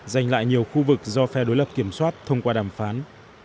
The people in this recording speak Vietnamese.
giành lại nhiều khu vực do phe đối lập kiểm soát thông qua đàm phán